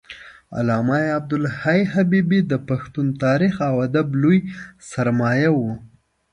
علامه عبدالحی حبیبي د پښتون تاریخ او ادب لوی سرمایه و